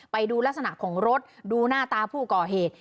ไปดูลักษณะของรถดูหน้าตาผู้ก่อเหตุ